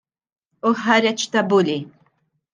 U ħareġ ta' bully!